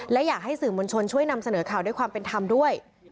และอยากให้สื่อมวลชนช่วยนำเสนอข่าวด้วยความเป็นธรรมด้วย